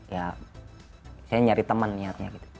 ya saya nyari teman niatnya gitu